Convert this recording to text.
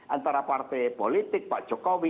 antara partai politik pak jokowi